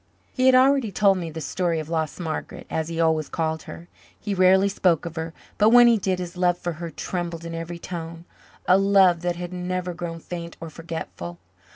He had already told me the story of "lost Margaret," as he always called her. He rarely spoke of her, but when he did his love for her trembled in every tone a love that had never grown faint or forgetful.